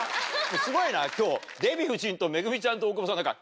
すごいな今日デヴィ夫人とＭＥＧＵＭＩちゃんと大久保さん。